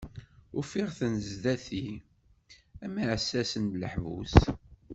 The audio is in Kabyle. Ufiɣ-ten sdat-i am yiɛessasen n leḥbus.